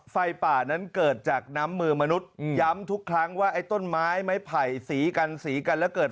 ไฟป่านั้นเกิดจากน้ำมือมนุษย์ย้ำทุกครั้งว่าไอ้ต้นไม้ไม้ไผ่สีกันสีกันแล้วเกิด